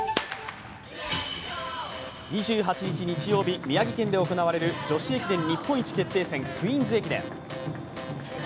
２８日日曜日、宮城県で行われる女子駅伝日本一決定戦、クイーンズ駅伝。